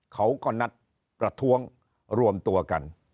เขาก็นัดประท้วงรวมตัวกัน